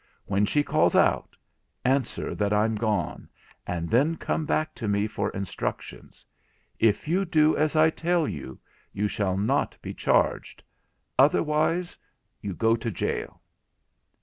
When she calls out, answer that I'm gone, and then come back to me for instructions. If you do as I tell you, you shall not be charged—otherwise, you go to jail.'